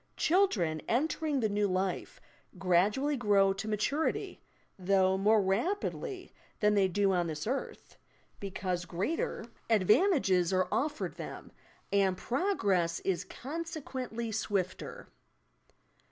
Children, entering the new life, gradually grow to maturity, though mor« rapidly than they do on this earth, because greater THE SPIRIT WORLD 51 I I advantages are offered them, and progress ia consequently swifter.